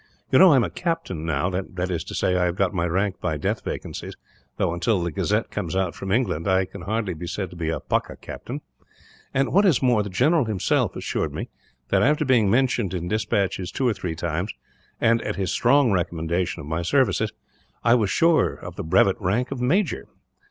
You know I am a captain, now that is to say, that I have got my rank by death vacancies, though until the Gazette comes out from England, I can hardly be said to be a pucka captain; and, what is more, the general himself assured me that, after being mentioned in despatches two or three times, and at his strong commendation of my services, I was sure of the brevet rank of major."